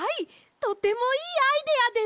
とてもいいアイデアです！